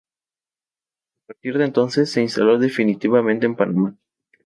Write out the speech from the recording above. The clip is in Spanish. A partir de entonces se instala definitivamente en Panamá.